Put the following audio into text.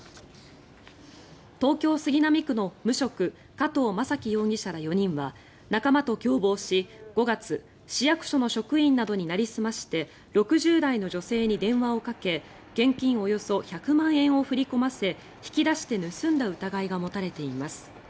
東京・杉並区の無職加藤政樹容疑者ら４人は仲間と共謀し５月市役所の職員などになりすまして６０代の女性に電話をかけ現金およそ１００万円を振り込ませ引き出して盗んだ疑いが持たれています。